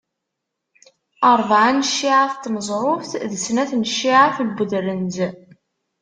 Rebεa n cciεat n teẓruft d Snat n cciεat n udrenz.